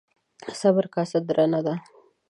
ـ د صبر کاسه درنه ده.